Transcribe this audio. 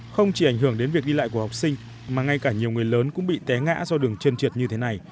không chỉ ảnh hưởng đến việc đi lại của học sinh mà ngay cả nhiều người lớn cũng bị té ngã do đường chân trượt như thế này